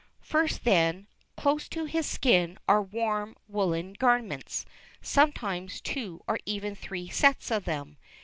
First, then, close to his skin are warm woollen garments, sometimes two or even three sets of them.